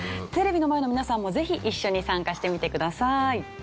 テレビの前の皆さんもぜひ一緒に参加してみてください。